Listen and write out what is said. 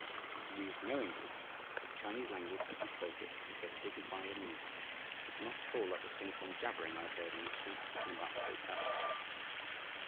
He used no English, but the Chinese language, as he spoke it, was both dignified and musical, and not at all like the singsong jabbering I had heard on the streets and about the hotels.